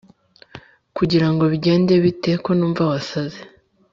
Kugira ngo bigende bite konumva wasaze